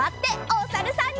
おさるさん。